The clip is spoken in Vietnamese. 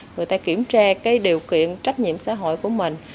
người ta kiểm tra cái điều kiện trách nhiệm xã hội của mình